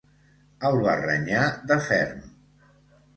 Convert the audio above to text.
El va renyar de ferm.